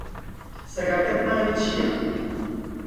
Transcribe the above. سەگەکەت ناوی چییە؟